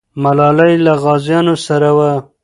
ملالۍ له غازیانو سره وه.